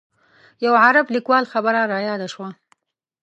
یو عرب لیکوال خبره رایاده شوه.